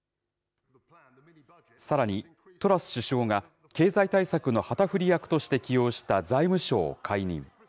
さらに、トラス首相が経済対策の旗振り役として起用した財務相を解任。